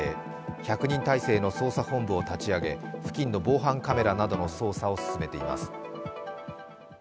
１００人態勢の捜査本部を立ち上げ、付近の防犯カメラなどの捜査を進めています。